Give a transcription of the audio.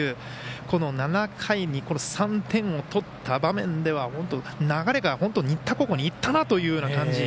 この７回に３点を取った場面では流れが本当、新田高校にいったなというような感じ